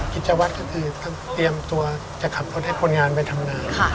กิจวัตก็คือเคยมตัวจะขับคุณให้เป็นคนงานไปทำงาน